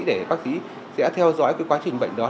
để bác sĩ sẽ theo dõi cái quá trình bệnh đó